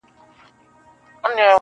شرمنده یې کړ پاچا تر جنرالانو-